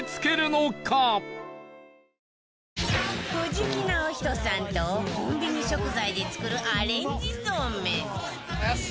藤木直人さんとコンビニ食材で作るアレンジそうめん